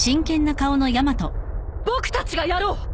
僕たちがやろう！